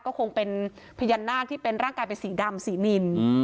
ก็คงเป็นพญานาคที่เป็นร่างกายเป็นสีดำสีนิน